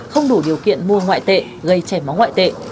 không đủ điều kiện mua ngoại tệ gây chảy máu ngoại tệ